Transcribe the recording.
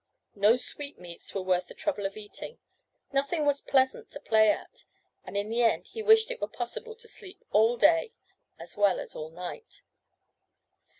No sweetmeats were worth the trouble of eating, nothing was pleasant to play at, and in the end he wished it were possible to sleep all day, as well as all night.